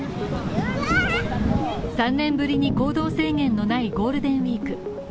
３年ぶりに行動制限のないゴールデンウィーク。